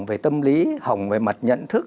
về tâm lý hỏng về mặt nhận thức